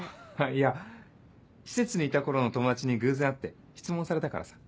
いや施設にいた頃の友達に偶然会って質問されたからさ。